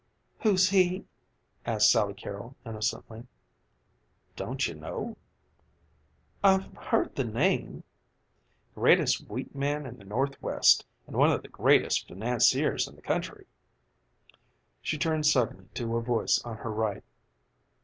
"Who's he?" asked Sally Carrol innocently. "Don't you know?" "I've heard the name." "Greatest wheat man in the Northwest, and one of the greatest financiers in the country." She turned suddenly to a voice on her right.